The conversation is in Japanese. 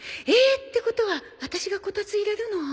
ってことはワタシがこたつ入れるの？